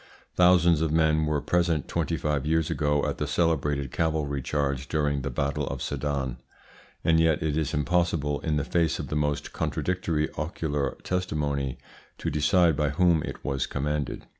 Thousands of men were present twenty five years ago at the celebrated cavalry charge during the battle of Sedan, and yet it is impossible, in the face of the most contradictory ocular testimony, to decide by whom it was commanded.